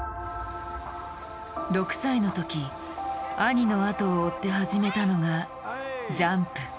６歳の時兄のあとを追って始めたのがジャンプ。